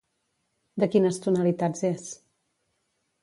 De quines tonalitats és?